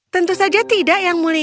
tentu saja tidak yang mulia